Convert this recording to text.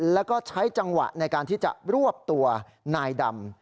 แล้วก็ใช้จังหวะในการที่จะรวบตัวนายดำ